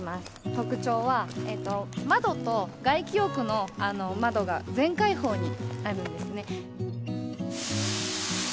特徴は、窓と外気浴の窓が全開放になるんですね。